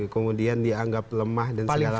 kemudian dianggap lemah dan segala